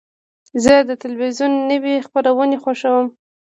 زه د تلویزیون نوی خپرونې خوښوم.